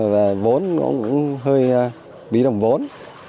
và vốn cũng hơi bí đồng vốn